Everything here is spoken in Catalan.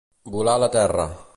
Volar la terra.